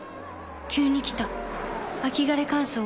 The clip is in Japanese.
急に来た秋枯れ乾燥。